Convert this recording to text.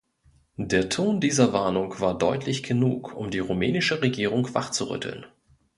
Der Ton dieser Warnung war deutlich genug, um die rumänische Regierung wachzurütteln.